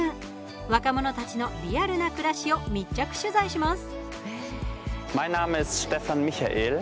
若者たちのリアルな暮らしを密着取材します。